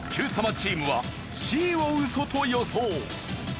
チームはＣをウソと予想。